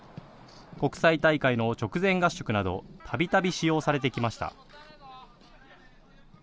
国際大会の直前合宿などたびたび使用されてきました。